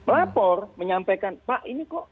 lapor menyampaikan pak ini kok